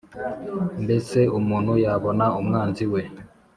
Mbese umuntu yabona umwanzi we